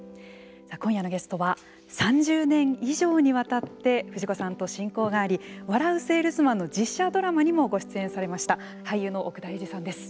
今夜のゲストは３０年以上にわたって藤子さんと親交があり「笑ゥせぇるすまん」の実写ドラマにもご出演されました俳優の奥田瑛二さんです。